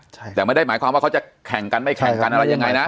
ใช่แต่ไม่ได้หมายความว่าเขาจะแข่งกันไม่แข่งกันอะไรยังไงนะ